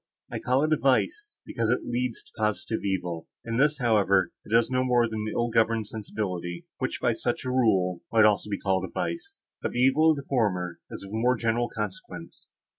I call it a vice, because it leads to positive evil; in this, however, it does no more than an ill governed sensibility, which, by such a rule, might also be called a vice; but the evil of the former is of more general consequence.